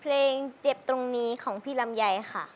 เจ็บตรงนี้ของพี่ลำไยค่ะ